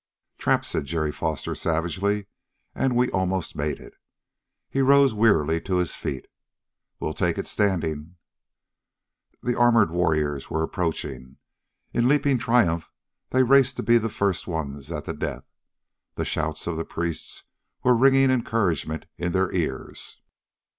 "Trapped," said Jerry Foster savagely, "and we almost made it." He rose wearily to his feet. "We'll take it standing." The armored warriors were approaching; in leaping triumph they raced to be the first ones at the death. The shouts of the priests were ringing encouragement in their ears.